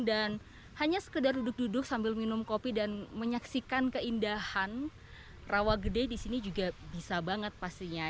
dan hanya sekedar duduk duduk sambil minum kopi dan menyaksikan keindahan rawagede di sini juga bisa banget pastinya